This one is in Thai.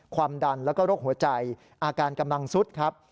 ความดันแล้วก็โรคหัวใจอาการกำลังสุดครับ